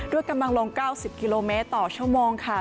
กำลังลง๙๐กิโลเมตรต่อชั่วโมงค่ะ